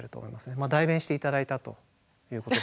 まあ代弁して頂いたということで。